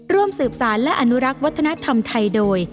ร่วมสืบสารและอนุรักษ์วัฒนธรรมไทยโดย